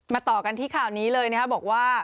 ต่อกันที่ข่าวนี้เลยนะครับบอกว่า